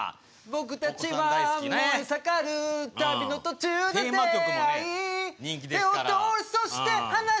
「僕たちは燃え盛る旅の途中で出会い」「手を取りそして離した」